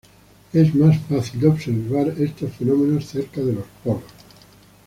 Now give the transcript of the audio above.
Es más fácil de observar estos fenómenos cerca de los polos.